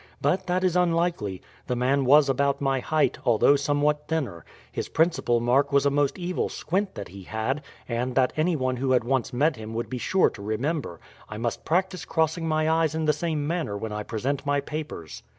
But that is unlikely. The man was about my height, although somewhat thinner. His principal mark was a most evil squint that he had, and that anyone who had once met him would be sure to remember. I must practice crossing my eyes in the same manner when I present my papers."